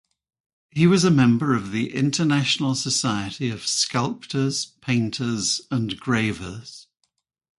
He was a member of the International Society of Sculptors, Painters and Gravers.